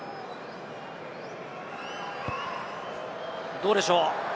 どうでしょう？